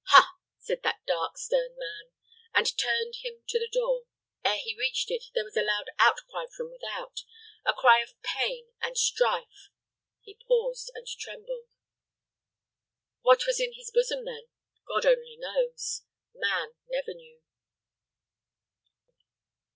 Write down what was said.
"Ha!" said that dark, stern man, and turned him to the door. Ere he reached it, there was a loud outcry from without a cry of pain and strife. He paused and trembled. What was in his bosom then? God only knows. Man never knew.